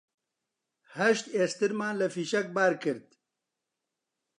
هەشت ئێسترمان لە فیشەک بار کرد